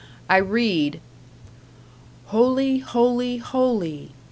I read: Holy, holy, holy!